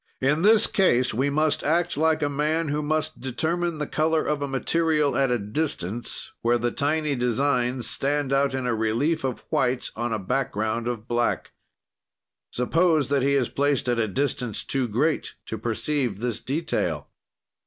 "In this case we must act like a man who must determine the color of a material at a distance where the tiny designs stand out in a relief of white on a background of black. "Suppose that he is placed at a distance too great to perceive this detail.